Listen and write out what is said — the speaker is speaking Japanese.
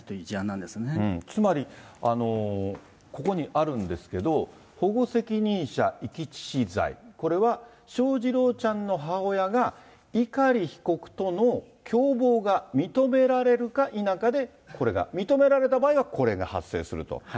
なんつまりここにあるんですけど、保護責任者遺棄致死罪、これは翔士郎ちゃんの母親が、碇被告との共謀が認められるか否かで、これが、認められた場合はこれが発生すると。